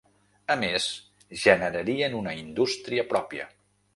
A més, generarien una indústria pròpia.